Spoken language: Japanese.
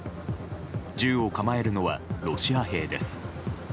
銃を構えるのはロシア兵です。